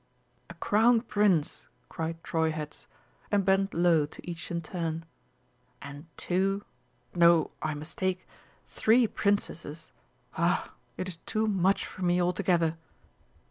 "A Crown Prince!" cried Treuherz, and bent low to each in turn. "And two no, I mistake three Princesses! Ah, it is too much for me altogether!"